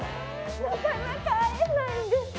なかなか会えないんですよ